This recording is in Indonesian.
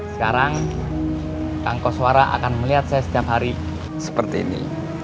sekarang kang koswara akan melihat saya setiap hari seperti ini